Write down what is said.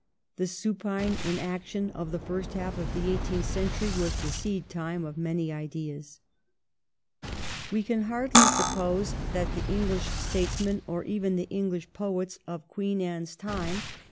The supine inaction of the first half of the eighteenth century was the seed time of many ideas.' We can hardly suppose that the English states men, or even the English poets, of Queen Anne's time 326 THE REIGN OF QUEEN ANNE.